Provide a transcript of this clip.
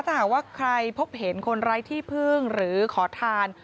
ถ้าหากว่าใครพบเห็นคนไร้ที่พึ่งหรือขอทาน